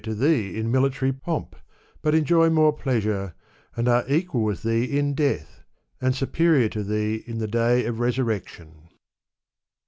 289 to thee in military pomp, but enjoy more pleasure, and are equal with thee in death, and superior to thee in the day of resurrection.